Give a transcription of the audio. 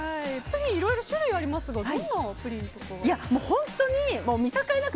プリンいろいろ種類ありますがどんなプリンとかが？